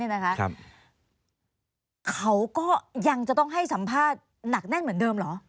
เขาก็ยังจะต้องให้สัมภาษณ์หนักแน่นเหมือนเดิมเหรอ